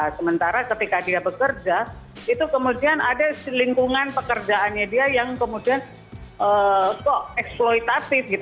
sementara ketika dia bekerja itu kemudian ada lingkungan pekerjaannya dia yang kemudian kok eksploitatif